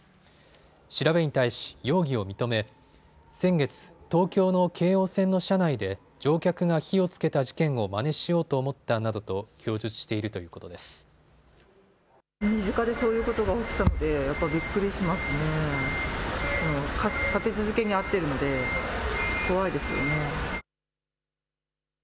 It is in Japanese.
調べに対し容疑を認め先月、東京の京王線の車内で乗客が火をつけた事件をまねしようと思ったなどと供述しているということです。